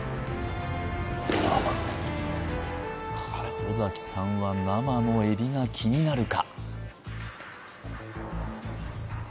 尾崎さんは生のえびが気になるか？